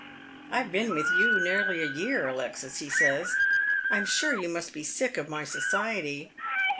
" I've been with you nearly a year, Alexis," he says. " I am Bure you must be sick of my society."